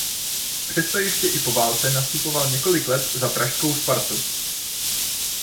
Přesto ještě i po válce nastupoval několik let za pražskou Spartu.